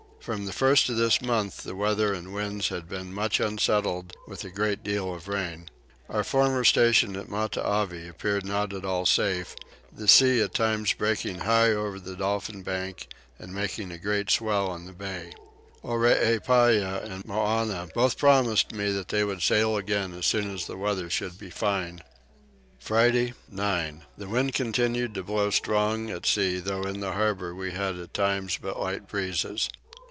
From the first of this month the weather and winds had been much unsettled with a great deal of rain. Our former station at Matavai appeared not at all safe, the sea at times breaking high over the Dolphin bank and making a great swell in the bay. Oreepyah and Moannah both promised me that they would sail again as soon as the weather should be fine. Friday 9. The wind continued to blow strong at sea though in the harbour we had at times but light breezes.